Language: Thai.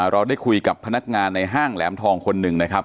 เราได้คุยกับพนักงานในห้างแหลมทองคนหนึ่งนะครับ